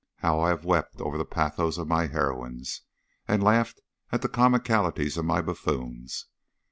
How I have wept over the pathos of my heroines, and laughed at the comicalities of my buffoons!